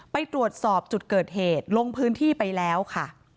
ไปตรวจสอบจุดเกิดเหตุลงพื้นที่ไปแล้วค่ะ